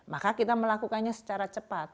maka kita melakukannya secara cepat